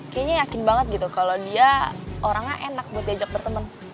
kayaknya yakin banget gitu kalau dia orangnya enak buat diajak berteman